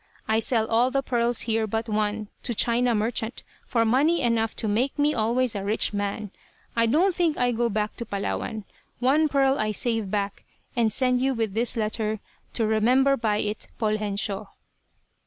I sell all the pearls here but one, to China merchant, for money enough to make me always a rich man. I don't think I go back to Palawan. One pearl I save back, and send you with this letter, to remember by it Poljensio."